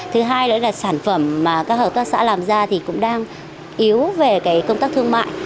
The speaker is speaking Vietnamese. thứ hai nữa là sản phẩm mà các hợp tác xã làm ra thì cũng đang yếu về công tác thương mại